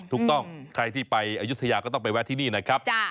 ถูกต้องใครที่ไปอายุทยาก็ต้องไปแวะที่นี่นะครับ